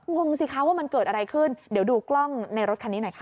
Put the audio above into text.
งงสิคะว่ามันเกิดอะไรขึ้นเดี๋ยวดูกล้องในรถคันนี้หน่อยค่ะ